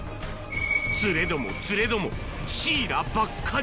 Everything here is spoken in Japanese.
釣れども釣れども、シイラばっかり。